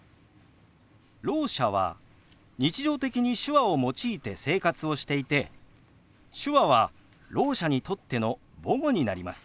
ろう者は日常的に手話を用いて生活をしていて手話はろう者にとっての母語になります。